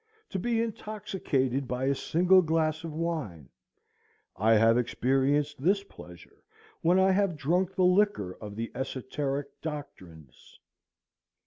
To be intoxicated by a single glass of wine; I have experienced this pleasure when I have drunk the liquor of the esoteric doctrines."